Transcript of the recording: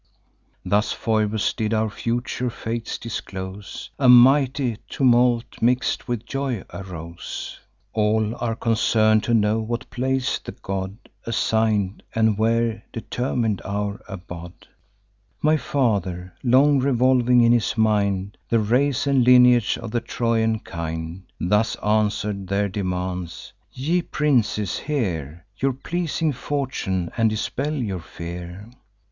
Thus Phoebus did our future fates disclose: A mighty tumult, mix'd with joy, arose. "All are concern'd to know what place the god Assign'd, and where determin'd our abode. My father, long revolving in his mind The race and lineage of the Trojan kind, Thus answer'd their demands: 'Ye princes, hear Your pleasing fortune, and dispel your fear.